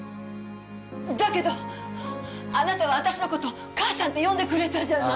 だけどあなたは私の事かあさんって呼んでくれたじゃない。